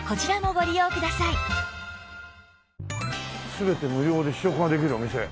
「全て無料で試食ができるお店」